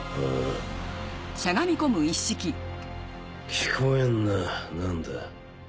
聞こえんななんだ？